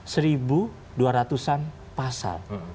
seribu dua ratusan pasal